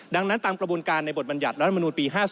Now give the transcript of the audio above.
ดังนั้นตามกระบวนการในบทบรรยัติรัฐมนูลปี๕๔